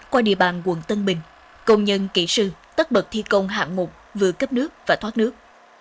qua địa bàn quận tân bình công nhân kỹ sư tất bật thi công hạng mục vừa cấp nước và thoát nước